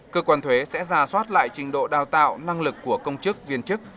cơ quan thuế sẽ ra soát lại trình độ đào tạo năng lực của công chức viên chức